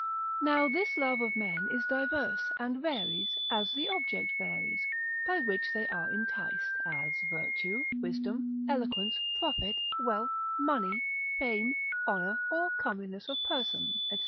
Now this love of men is diverse, and varies, as the object varies, by which they are enticed, as virtue, wisdom, eloquence, profit, wealth, money, fame, honour, or comeliness of person, &c.